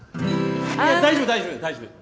あいや大丈夫大丈夫大丈夫。